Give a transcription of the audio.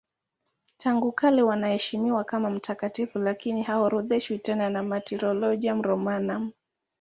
Tangu kale wanaheshimiwa kama mtakatifu lakini haorodheshwi tena na Martyrologium Romanum.